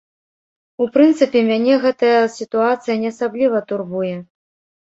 У прынцыпе, мяне гэтая сітуацыя не асабліва турбуе.